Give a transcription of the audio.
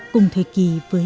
cùng thời kỳ với